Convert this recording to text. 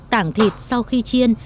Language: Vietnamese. tảng thịt sau khi chiên